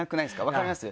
分かります？